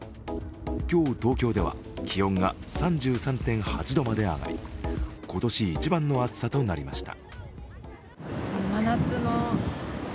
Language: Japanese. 今日、東京では気温が３３．８度まで上がり今年一番の暑さとなりました。